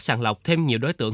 sàng lọc thêm nhiều đối tượng